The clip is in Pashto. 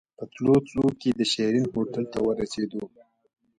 په تلو تلو کې د شيرين هوټل ته ورسېدو.